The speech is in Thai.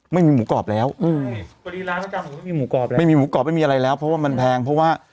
ไม่มีหมูกรอบแล้วอืมไม่มีหมูกรอบไม่มีอะไรแล้วเพราะว่ามันแพงเพราะว่า